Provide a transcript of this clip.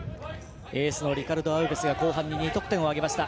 エースのリカルド・アウベスが後半に２得点を挙げました。